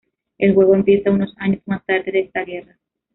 El juego empieza unos años más tarde de esta guerra.